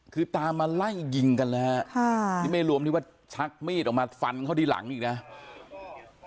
คือตามมาไล่ยิงกันแล้วมั้ยรวมที่ว่าชักมีดเอามาฟันเขาที่หลังแล้ว